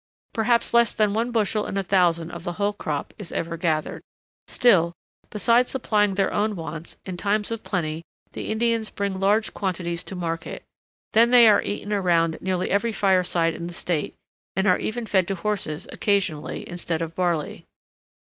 Perhaps less than one bushel in a thousand of the whole crop is ever gathered. Still, besides supplying their own wants, in times of plenty the Indians bring large quantities to market; then they are eaten around nearly every fireside in the State, and are even fed to horses occasionally instead of barley.